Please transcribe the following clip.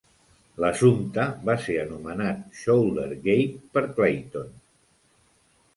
L'assumpte va ser anomenat "Shouldergate" per Clayton.